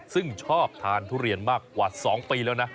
ซึ่งชอบทานทุเรียนมากกว่า๒ปีแล้วนะ